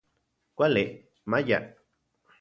Kuali, maya.